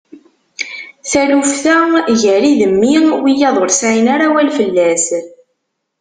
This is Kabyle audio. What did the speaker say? Taluft-a gar-i d mmi, wiyiḍ ur sɛin ara awal fell-as.